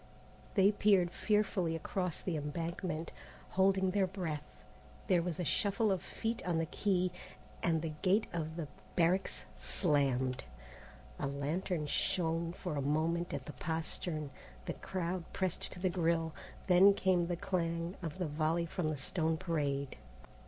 They peered fearfully across the embankment, holding their breath. There was a shuffle of feet on the quay, and the gate of the barracks slammed. A lantern shone for a moment at the postern, the crowd pressed to the grille, then came the clang of the volley from the stone parade.